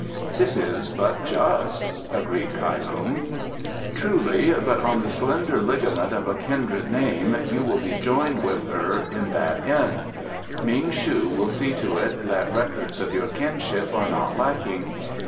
"That is but just," agreed Kai Lung. "Truly. But on the slender ligament of a kindred name you will be joined with her in that end. Ming shu will see to it that records of your kinship are not lacking.